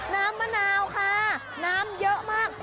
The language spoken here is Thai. มะนาวค่ะน้ำเยอะมาก